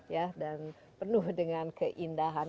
ya dan penuh dengan keindahan